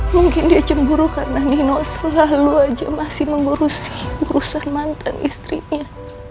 mungkin dia cemburu karena nino selalu saja masih mengurusi urusan mantan istrinya